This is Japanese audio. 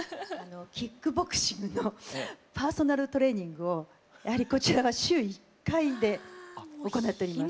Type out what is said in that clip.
キックボクシングのパーソナルトレーニングをこちらは週１回で行っております。